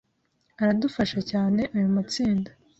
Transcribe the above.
Aradufasha cyane ayo matsinda